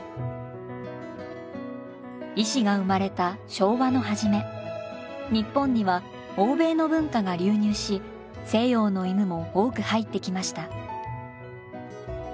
石が生まれた昭和の初め日本には欧米の文化が流入し西洋の犬も多く入ってきました。